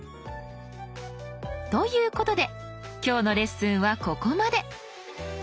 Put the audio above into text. ということで今日のレッスンはここまで。